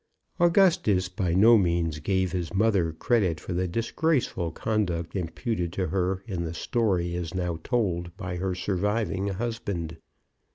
Augustus by no means gave his mother credit for the disgraceful conduct imputed to her in the story as now told by her surviving husband.